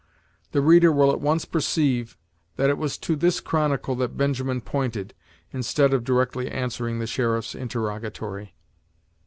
The reader will at once perceive, that it was to this chronicle that Benjamin pointed, instead of directly answering the sheriff's interrogatory.